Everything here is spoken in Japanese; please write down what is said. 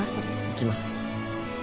行きます。